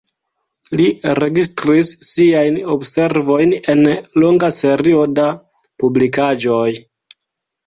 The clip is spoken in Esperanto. Li registris siajn observojn en longa serio da publikaĵoj.